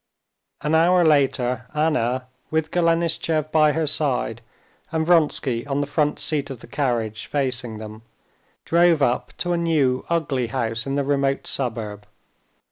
An hour later Anna, with Golenishtchev by her side and Vronsky on the front seat of the carriage, facing them, drove up to a new ugly house in the remote suburb.